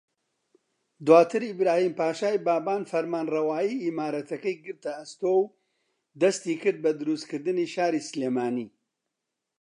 دواتر ئیبراھیم پاشای بابان فەرمانڕەوایی ئیمارەتەکەی گرتە ئەستۆ و دەستیکرد بە دروستکردنی شاری سلێمانی